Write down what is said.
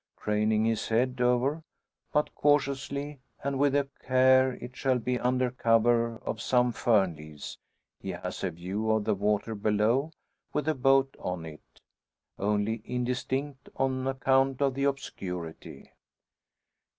Craning his head over, but cautiously, and with a care it shall be under cover of some fern leaves, he has a view of the water below, with the boat on it only indistinct on account of the obscurity.